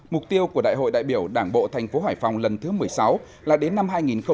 mục tiêu của đại hội đại biểu đảng bộ thành phố hải phòng lần thứ một mươi sáu là đến năm hai nghìn hai mươi năm